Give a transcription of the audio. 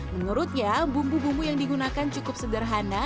menurutnya bumbu bumbu yang digunakan cukup sederhana